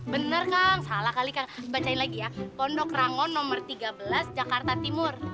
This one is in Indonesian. bener kang salah kali kang bacain lagi ya pondok rangon nomor tiga belas jakarta timur